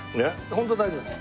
ホントに大丈夫です。